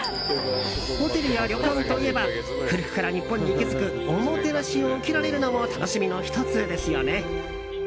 ホテルや旅館といえば古くから日本に息づくおもてなしを受けられるのも楽しみの１つですよね。